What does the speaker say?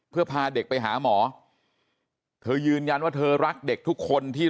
เพื่อพาเด็กไปหาหมอเธอยืนยันว่าเธอรักเด็กทุกคนที่